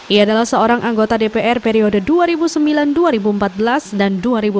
ia adalah seorang anggota dpr periode dua ribu sembilan dua ribu empat belas dan dua ribu empat belas